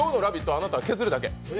あなた、削るだけ。